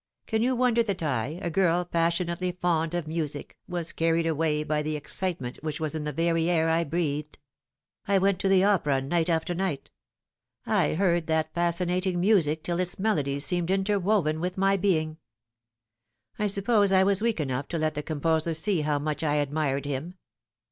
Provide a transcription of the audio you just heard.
Can you wonder that I, a girl passionately fond of music, was carried away by the excitement which was in the very air I breathed ? I went to the opera night after night. I heard that fascinating music till its melo dies seemed interwoven with my being. I suppose I was weak 348 The Fatal Three. enough to let the composer see how much I admired him.